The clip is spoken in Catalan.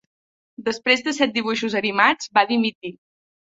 Després de set dibuixos animats, va dimitir.